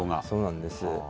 そうなんです。